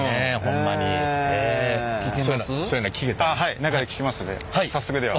中で聴けますんで早速では。